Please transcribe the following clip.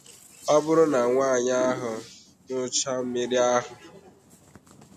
Ọ bụrụ na nwaanyị ahụ ñụchaa mmiri ahụ